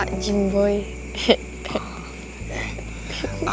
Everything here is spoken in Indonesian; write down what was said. aku tuh serius ya ngomongnya ya